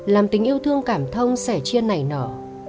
làm tình yêu thương cảm thông sẻ chia này nở